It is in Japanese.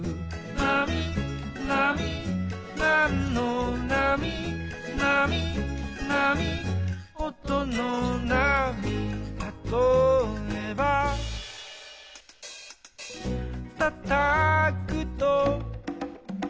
「なみなみなんのなみ」「なみなみおとのなみ」「たとえば」「たたくと」